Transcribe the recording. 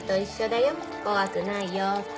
怖くないよって。